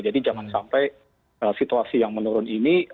jadi jangan sampai situasi yang menurun ini